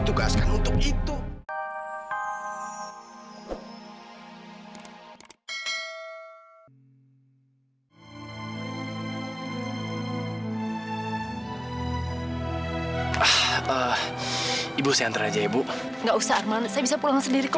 tugaskan untuk itu ah ah ibu senter aja ibu nggak usah arman saya bisa pulang sendiri kok